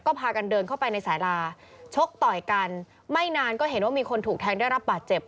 ก็พากันเดินเข้าไปในสาราชกต่อยกันไม่นานก็เห็นว่ามีคนถูกแทงได้รับบาดเจ็บ